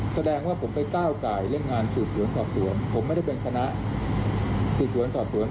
แสดงว่าผมไปก้าวไก่เรื่องงานสืบสวนสอบสวนผมไม่ได้เป็นคณะสืบสวนสอบสวน